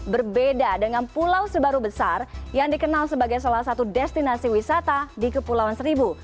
berbeda dengan pulau sebaru besar yang dikenal sebagai salah satu destinasi wisata di kepulauan seribu